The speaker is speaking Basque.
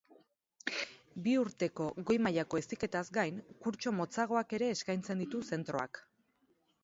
Bi urteko goi mailako heziketaz gain, kurtso motzagoak ere eskaintzen ditu zentroak.